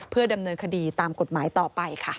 เพื่อดำเนินคดีตามกฎหมายต่อไปค่ะ